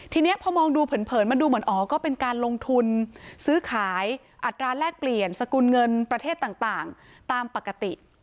ทีนี้พอมองดูเผินมันดูเหมือนอ๋อก็เป็นการลงทุนซื้อขายอัตราแลกเปลี่ยนสกุลเงินประเทศต่างตามปกติ